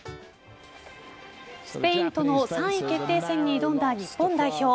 スペインとの３位決定戦に挑んだ日本代表。